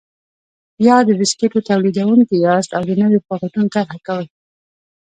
یا د بسکېټو تولیدوونکي یاست او د نویو پاکټونو طرحه کوئ.